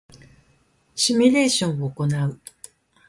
シミュレーションを行う